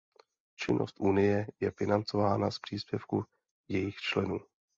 Činnost Unie je financována z příspěvků jejích členů.